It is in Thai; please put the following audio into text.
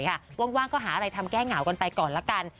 ว่างก็หาอะไรทำแก้เหงากันไปก่อนละกัน